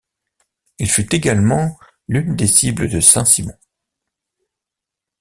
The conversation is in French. Il fut également l'une des cibles de Saint-Simon.